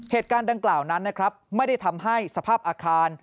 เหตุการณ์ดังกล่าวนั้นนะครับไม่ได้ทำให้สภาพอาคาร